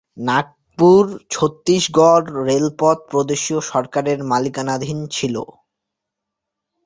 নাগপুর ছত্তীসগড় রেলপথ প্রদেশীয় সরকারের মালিকানাধীন ছিল।